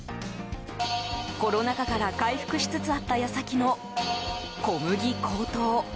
コロナ禍から回復しつつあった矢先の小麦高騰。